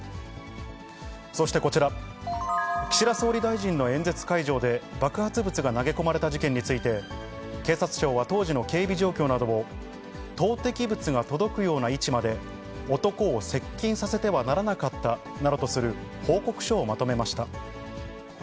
そしてこちら、岸田総理大臣の演説会場で爆発物が投げ込まれた事件について、警察庁は当時の警備状況などを、投てき物が届くような位置まで男を接近させてはならなかったなどとする報告書をまとめました。